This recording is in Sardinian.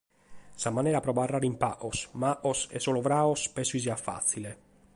Sa manera pro abarrare in pagos, macos e solobrados penso chi siat fàtzile.